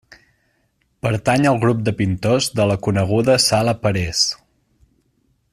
Pertany al grup de pintors de la coneguda Sala Parés.